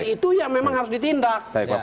itu memang harus ditindak